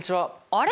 あれ？